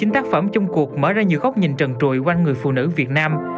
một mươi chín tác phẩm chung cuộc mở ra nhiều góc nhìn trần trùi quanh người phụ nữ việt nam